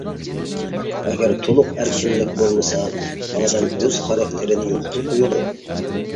ئەگەر تولۇق ئەركىنلىك بولمىسا، ئادەم ئۆز خاراكتېرىنى يوقىتىپ قويىدۇ.